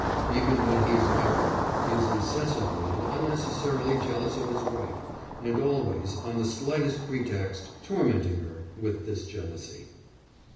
Even when he is married he is incessantly and unnecessarily jealous of his wife, and always, on the slightest pretext, tormenting her with this jealousy.